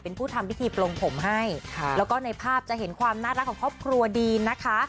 เป็นผู้ทำพิธีปลงผมให้ค่ะแล้วก็ในภาพจะเห็นความน่ารักของครอบครัวดีนนะคะ